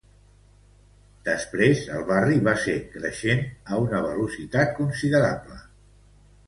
Després el barri va ser creixent a una velocitat considerable.